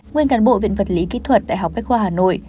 nguyên cản bộ viện phật lý kỹ thuật đại học bách khoa hà nội